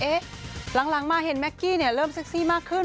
หลังมาเห็นแก๊กกี้เริ่มเซ็กซี่มากขึ้น